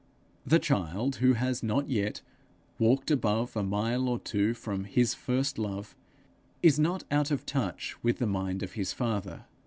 The child who has not yet 'walked above a mile or two from' his 'first love,' is not out of touch with the mind of his Father.